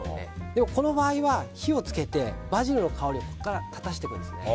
でも、この場合は火を付けてバジルの香りを立たせていくんですね。